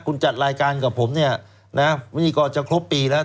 คุณจัดรายการกับผมนี่ก็จะครบปีแล้ว